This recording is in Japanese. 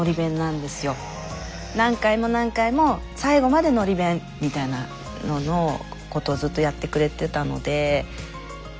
何回も何回も最後までのり弁みたいなののことをずっとやってくれてたのでやっぱのり弁かな。